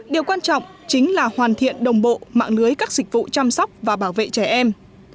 điều quan trọng chính là hoàn thiện đồng bộ mạng lưới các dịch vụ chăm sóc và bảo vệ trẻ em